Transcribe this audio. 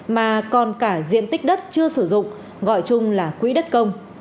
mà còn cả diện tích đất chưa sử dụng gọi chung là quỹ đất công